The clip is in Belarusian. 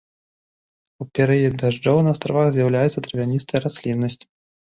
У перыяд дажджоў на астравах з'яўляецца травяністая расліннасць.